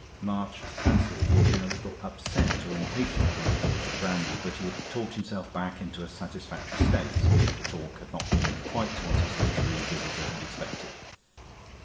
March fancied he had been a little upset or impatient when he called for the brandy; but he had talked himself back into a satisfactory state, if the talk had not been quite what his literary visitor had expected.